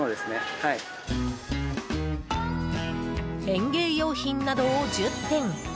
園芸用品などを１０点。